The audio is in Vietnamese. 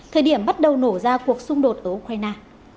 thời điểm bắt đầu nổ ra cuộc xung đột ở ukraine